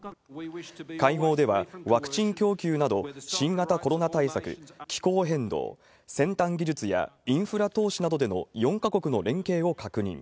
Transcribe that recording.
会合では、ワクチン供給など新型コロナ対策、気候変動、先端技術やインフラ投資などでの４か国の連携を確認。